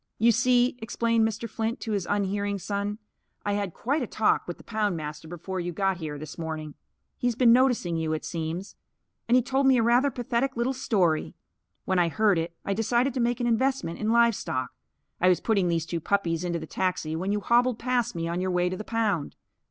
"You see," explained Mr. Flint, to his unhearing son, "I had quite a talk with the poundmaster before you got here, this morning. He's been noticing you, it seems. And he told me a rather pathetic little story. When I heard it I decided to make an investment in livestock. I was putting these two puppies into the taxi when you hobbled past me on your way to the pound.